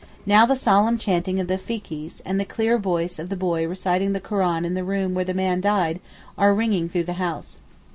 Now the solemn chanting of the Fikees, and the clear voice of the boy reciting the Koran in the room where the man died are ringing through the house.